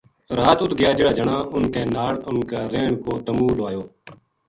رات اُت گیا جہڑا جنا اُنھ کے نال اُنھ کا رہن کو تَمُو لوایو